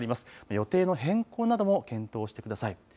予定の変更なども検討してください。